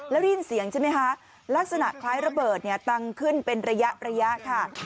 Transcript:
แล้วได้ยินเสียงใช่ไหมคะลักษณะคล้ายระเบิดเนี่ยตังขึ้นเป็นระยะค่ะ